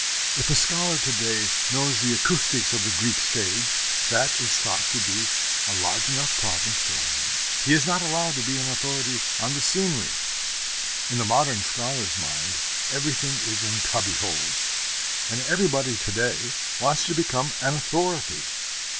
If a scholar to day knows the acoustics of the Greek stage, that is thought to be a large enough province for him. He is not allowed to be an authority on the scenery. In the modern scholar's mind everything is in cubby holes; and everybody to day wants to become an authority.